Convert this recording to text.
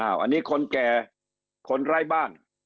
อันนี้คนแก่คนไร้บ้าน